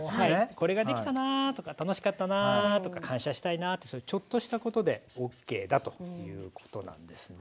これができたなとか楽しかったなとか感謝したいなってそういうちょっとしたことでＯＫだということなんですね。